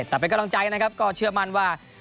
แต่เป็นกำลังใจนะครับก็เชื่อมั่นว่า